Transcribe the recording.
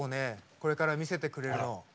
これから見せてくれるの！